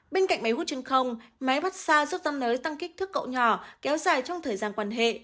bên cạnh máy hút chân không máy mát xa giúp tâm nới tăng kích thước cậu nhỏ kéo dài trong thời gian quan hệ